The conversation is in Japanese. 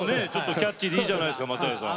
キャッチーでいいじゃないですか松平さん。